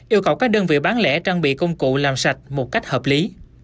yêu cầu các đơn vị bán lẻ trang bị công cụ làm sạch một cách hợp lý